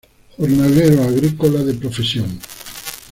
Jornalero agrícola de profesión.